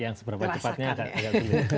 yang seberapa cepatnya agak sulit